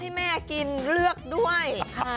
ให้แม่กินเลือกด้วย